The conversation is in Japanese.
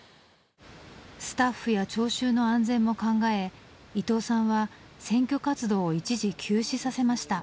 スタッフや聴衆の安全も考え伊藤さんは選挙活動を一時休止させました。